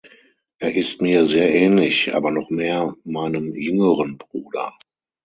Er ist mir sehr ähnlich, aber noch mehr meinem jüngeren Bruder.